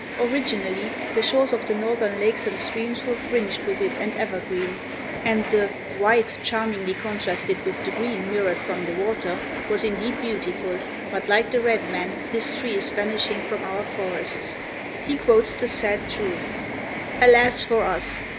Originally the shores of the northern lakes and streams were fringed with it and evergreen, and the "white charmingly contrasted with the green mirrored from the water was indeed beautiful, but like the red man, this tree is vanishing from our forests." He quotes the sad truth: "Alas for us!